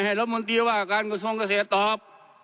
รัฐมนตรีว่าการกระทรวงเกษตรตอบ